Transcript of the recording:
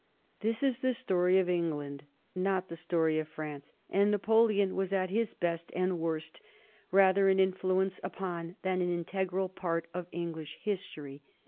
[Sidenote: 1793 Napoleon Bonaparte] This is the story of England, not the story of France, and Napoleon was at his best and worst rather an influence upon than an integral part of English history.